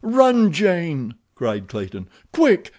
"Run, Jane!" cried Clayton. "Quick!